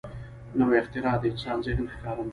نوې اختراع د انسان ذهن ښکارندوی ده